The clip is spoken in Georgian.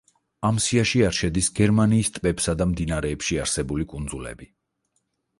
ამ სიაში არ შედის გერმანიის ტბებსა და მდინარეებში არსებული კუნძულები.